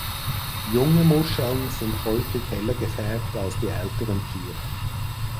Junge Muscheln sind häufig heller gefärbt als die älteren Tiere.